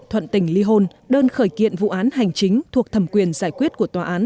thuận tình ly hôn đơn khởi kiện vụ án hành chính thuộc thẩm quyền giải quyết của tòa án